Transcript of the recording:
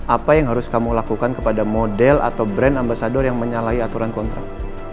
apa yang harus kamu lakukan kepada model atau brand ambasador yang menyalahi aturan kontrak